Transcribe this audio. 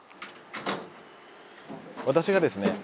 私がですね